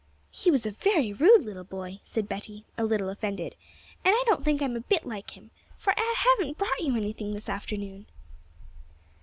'He was a very rude little boy,' said Betty, a little offended, 'and I don't think I'm a bit like him, for I haven't brought you anything this afternoon.'